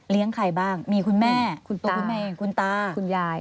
เลี้ยงใครบ้างมีคุณแม่ตัวคุณแม่คุณตาคุณยาย